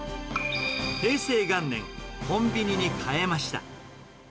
平成元年、コンビニに替えました。